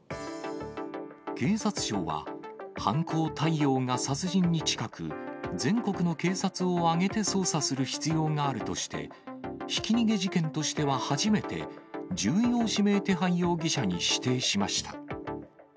警察庁は、犯行態様が殺人に近く、全国の警察を挙げて捜査する必要があるとして、ひき逃げ事件としては初めて、重要指名手配容疑者に指定しました。